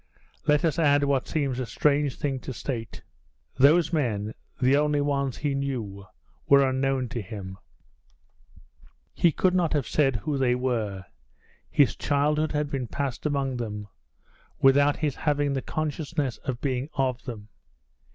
Let us add what seems a strange thing to state. Those men, the only ones he knew, were unknown to him. He could not have said who they were. His childhood had been passed among them, without his having the consciousness of being of them.